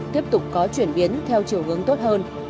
tiếp tục có chuyển biến theo chiều hướng tốt hơn